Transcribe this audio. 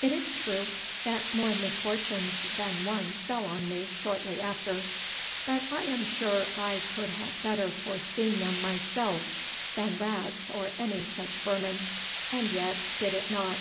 It is true, that more misfortunes then one fell on me shortlie after; bot I am sure I could have better forseene them myselfe then rats or any such vermine, and yet did it not.